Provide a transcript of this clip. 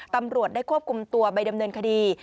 ตำรวจได้ควบคุมตัวไปดำเนินคดี